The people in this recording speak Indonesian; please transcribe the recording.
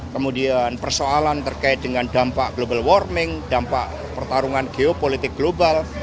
kemudian persoalan terkait dengan dampak global warming dampak pertarungan geopolitik global